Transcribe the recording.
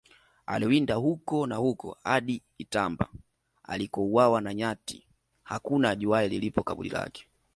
aliwinda huko na huko hadi itamba alikouawa na nyati Hakuna ajuaye lilipo kaburi lake